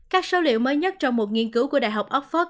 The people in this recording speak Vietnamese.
các số liệu mới nhất trong một nghiên cứu của đại học oxford